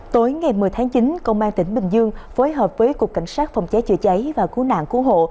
tối ngày một mươi tháng chín công an tỉnh bình dương phối hợp với cục cảnh sát phòng cháy chữa cháy và cứu nạn cứu hộ